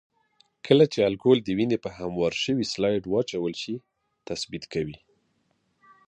کله چې الکول د وینې په هموار شوي سلایډ واچول شي تثبیت کوي.